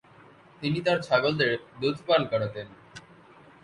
তিনি তাদের ছাগলের দুধ পান করাতেন।